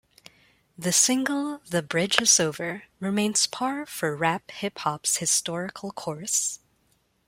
The single "The Bridge Is Over" remains par for Rap Hip-Hop's historical course.